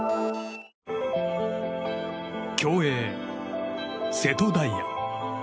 競泳、瀬戸大也。